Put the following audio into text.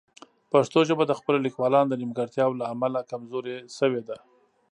پښتو ژبه د خپلو لیکوالانو د نیمګړتیاوو له امله کمزورې شوې.